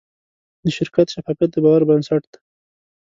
د شرکت شفافیت د باور بنسټ دی.